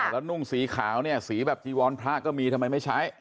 แล้วนุ่งสีขาวเนี่ยสีแบบจีวรพระก็มีทำไมไม่ใช้